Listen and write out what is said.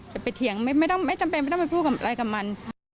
ไปเถียงไม่จำเป็นไม่ต้องไปพูดกับอะไรกับมัน